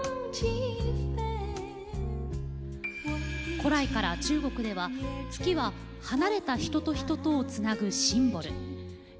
古来から中国では月は、離れた人と人とをつなぐシンボル。